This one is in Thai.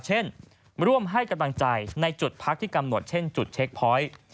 เช่นร่วมให้กำลังใจในจุดพักที่กำหนดเช่นจุดเช็คพอยต์